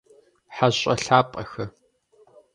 Хьэщӏэ лъапӏэхэ!